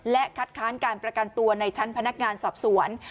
และคัดค้านการประกันตัวในชั้นพนักงานสอบสวน